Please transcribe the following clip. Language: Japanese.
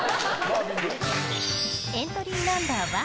エントリーナンバー１。